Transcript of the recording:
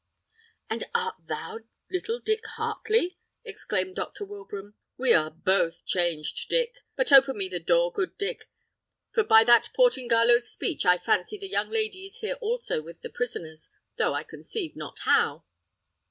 "And art thou little Dick Heartley?" exclaimed Doctor Wilbraham. "We are both changed, Dick; but open me the door, good Dick, for by that Portingalo's speech I fancy the young lady is here also with the prisoners, though I conceive not how."